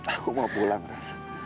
aku mau pulang haris